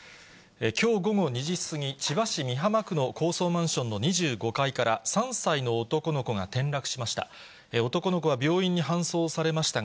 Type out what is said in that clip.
きょう午後２時過ぎ、千葉市美浜区の高層マンションの２５階から３歳の男の子が転落しました。